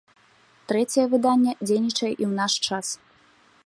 Трэцяе выданне дзейнічае і ў наш час.